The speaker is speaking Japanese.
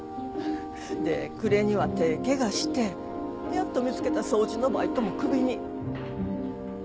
で暮れには手ぇ怪我してやっと見つけた掃除のバイトもクビに。